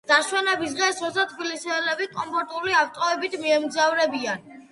დასვენების დღეს, როცა ტფილისელები კომფორტაბელური ავტოებით მიემგზავრებიან